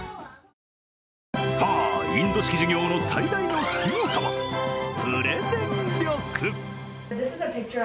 インド式授業の最大のすごさはプレゼン力。